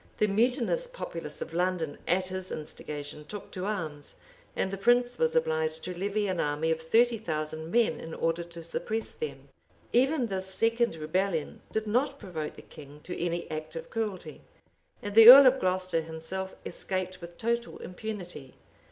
The mutinous populace of London at his instigation took to arms; and the prince was obliged to levy an army of thirty thousand men in order to suppress them. Even this second rebellion did not provoke the king to any act of cruelty; and the earl of Glocester himself escaped with total impunity.